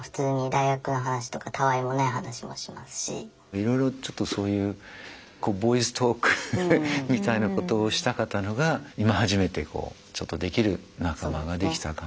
いろいろちょっとそういうボーイズトークみたいなことをしたかったのが今初めてちょっとできる仲間ができた感じですよね。